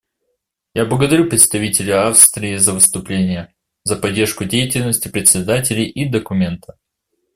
Я благодарю представителя Австрии за выступление, за поддержку деятельности председателей и документа.